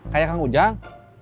kayak kang ujang